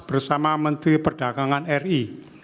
bersama menteri perdagangan ri